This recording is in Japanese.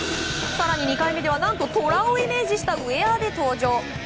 更に２回目では何とトラをイメージしたウェアで登場。